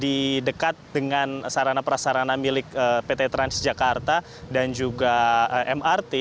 di dekat dengan sarana prasarana milik pt transjakarta dan juga mrt